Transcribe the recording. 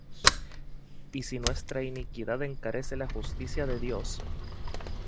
Y si nuestra iniquidad encarece la justicia de Dios,